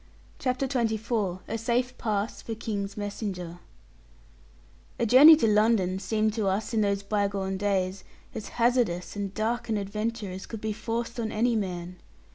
CHAPTER XXIV A SAFE PASS FOR KING'S MESSENGER A journey to London seemed to us in those bygone days as hazardous and dark an adventure as could be forced on any man.